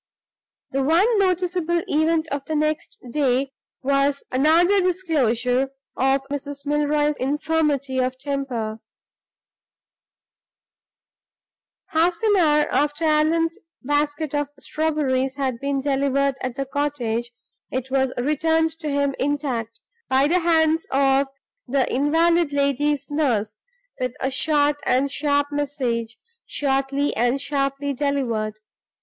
The one noticeable event of the next day was another disclosure of Mrs. Milroy's infirmity of temper. Half an hour after Allan's basket of strawberries had been delivered at the cottage, it was returned to him intact (by the hands of the invalid lady's nurse), with a short and sharp message, shortly and sharply delivered.